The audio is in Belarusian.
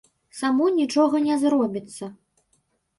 Само нічога не зробіцца.